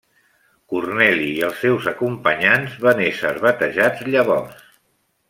Corneli i els seus acompanyants van ésser batejats llavors.